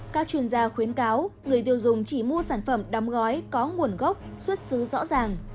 các chuyên gia khuyến cáo người tiêu dùng chỉ mua sản phẩm đóng gói có nguồn gốc xuất xứ rõ ràng